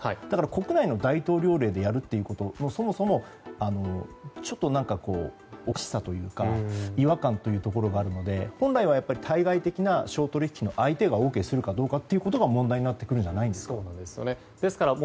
だから、国内の大統領令でやるということがそもそもちょっと何かおかしさというか違和感というところがあるので本来は対外的な商取引の相手がＯＫするかどうかということが問題になってくるんじゃないんですか。